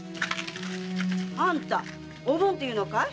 あんた“おぶん”っていうのかい？